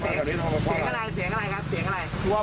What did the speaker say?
เสียงอะไร